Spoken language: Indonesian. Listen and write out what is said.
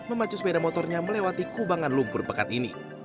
memacu sepeda motornya melewati kubangan lumpur pekat ini